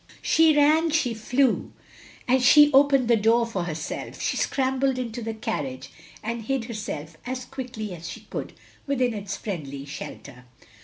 She ran, she flew, she opened the door for herself, she scrambled into the carriage, and hid herself as quickly as she cotdd within its friendly shelter.